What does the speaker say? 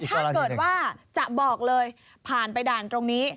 ถ้าเกิดว่าจะบอกเลยผ่านไปด่านตรงนี้